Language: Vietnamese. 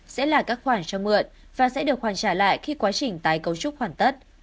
sẽ là các khoản cho mượn và sẽ được hoàn trả lại khi quá trình tái cấu trúc hoàn tất